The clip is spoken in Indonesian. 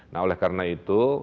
nah oleh karena itu